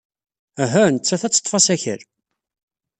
Uhu, nettat ad teḍḍef asakal.